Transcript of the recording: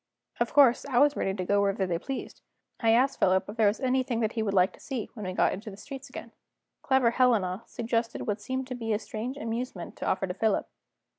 Of course I was ready to go where they pleased. I asked Philip if there was anything he would like to see, when we got into the streets again. Clever Helena suggested what seemed to be a strange amusement to offer to Philip.